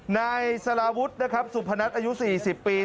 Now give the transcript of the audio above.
นายสารวุฒิสุพนัทอายุ๔๐ปี